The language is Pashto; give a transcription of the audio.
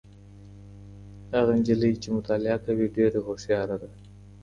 هغه نجلۍ چي مطالعه کوي ډېره هوښياره ده.